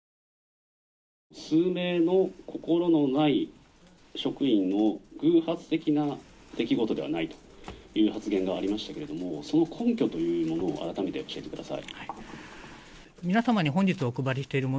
数名の心のない職員の偶発的な出来事ではないという発言がありましたがその根拠というのを改めて教えてください。